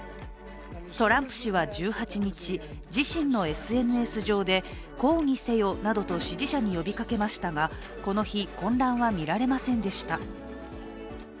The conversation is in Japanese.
トランプ氏は１８日自身のＳＮＳ上で抗議せよなどと支持者に呼びかけましたがこの日、混乱は見られませんでした。